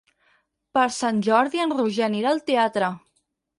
Per Sant Jordi en Roger anirà al teatre.